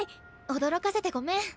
驚かせてごめん。